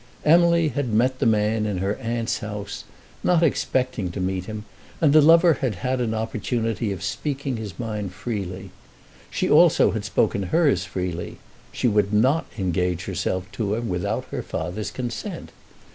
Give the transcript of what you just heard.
Emily had met the man in her aunt's house, not expecting to meet him, and the lover had had an opportunity of speaking his mind freely. She also had spoken hers freely. She would not engage herself to him without her father's consent.